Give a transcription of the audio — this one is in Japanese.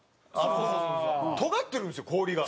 とがってるんですよ氷が。